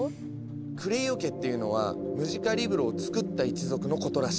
「クレイオ家」っていうのはムジカリブロをつくった一族のことらしい。